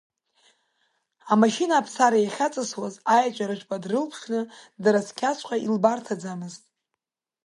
Амашьына аԥсара иахьыҵысуаз, аиаҵәара жәпа дрылԥшны, дара цқьаҵәҟьа илбарҭаӡамызт.